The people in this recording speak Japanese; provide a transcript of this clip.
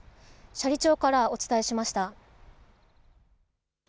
斜里町からお伝えしました。